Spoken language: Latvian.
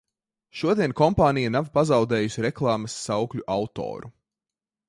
Šodien kompānija nav pazaudējusi reklāmas saukļu autoru.